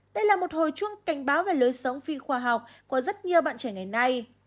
đây là một hồi chuông cảnh báo về lối sống phi khoa học của rất nhiều bạn trẻ ngày nay